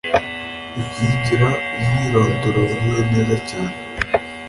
bikurikira umwirondoro wuzuye neza cyane